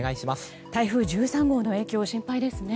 台風１３号の影響、心配ですね。